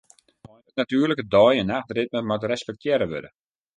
It natuerlike dei- en nachtritme moat respektearre wurde.